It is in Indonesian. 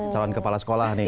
calon kepala sekolah nih